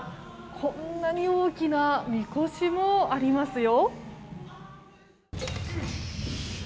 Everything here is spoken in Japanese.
こんなに大きなみこしもありますよ。